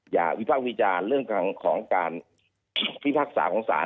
อย่าวิภาควิจารณ์เรื่องของการวิภาคศาลของสาร